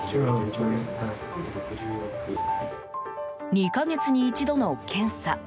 ２か月に一度の検査。